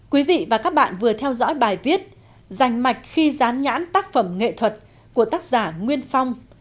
quý vị và các bạn vừa theo dõi bài viết dành mạch khi dán nhãn tác phẩm nghệ thuật của tác giả nguyên phong